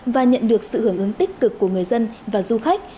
và nhận được sự hưởng ứng tích cực của người dân và du khách